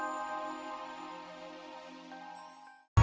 jadi kalau memang masih ada yang mau sembunyikan